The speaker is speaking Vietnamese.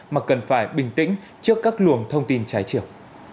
mà cần phải bình tĩnh trước các luồng thông tin trái chiều